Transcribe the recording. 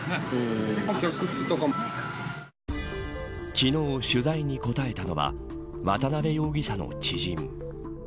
昨日、取材に答えたのは渡辺容疑者の知人。